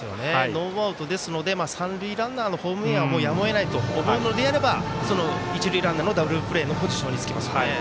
ノーアウトですので三塁ランナーのホームインはやむをえないと思うのであれば一塁ランナーのダブルプレーのポジションにつきますよね。